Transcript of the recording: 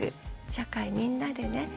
社会みんなでね